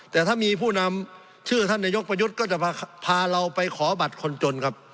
แต่ถ้ามีผู้นำชื่อท่านนายกประยุทธ์ก็จะพาเราไปขอบัตรคนจนครับ